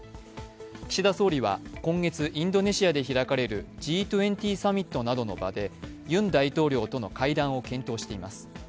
岸田総理は今月インドネシアで開かれるＧ２０サミットなどの場でユン大統領との会談を検討しています。